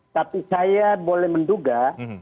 tapi saya boleh menduga